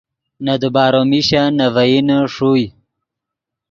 نے دیبارو میشن نے ڤئینے ݰوئے